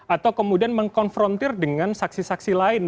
atau kemudian mengkonfrontir dengan saksi saksi lain